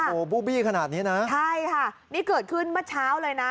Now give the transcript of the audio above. โอ้โหบูบี้ขนาดนี้นะใช่ค่ะนี่เกิดขึ้นเมื่อเช้าเลยนะ